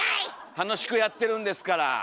楽しくやってるんですから。